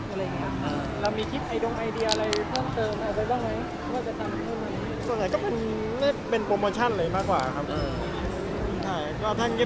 เรามีคลิปไอดองไอเดียอะไรเพิ่มเติมอาจจะทำให้บ้างไหม